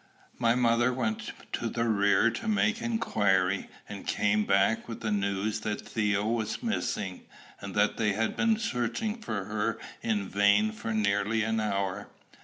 My mother went to the rear to make inquiry, and came back with the news that Theo was missing, and that they had been searching for her in vain for nearly an hour.